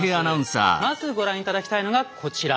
まずご覧頂きたいのがこちら。